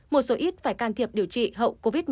một số ít phải can thiệp điều trị hậu covid một mươi chín